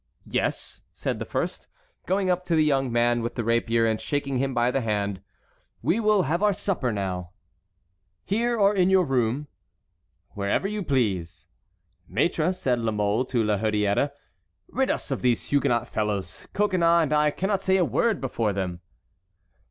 "Yes," said the first, going up to the young man with the rapier and shaking him by the hand, "we will have our supper now." "Here or in your room?" "Wherever you please." "Maître," said La Mole to La Hurière, "rid us of these Huguenot fellows. Coconnas and I cannot say a word before them."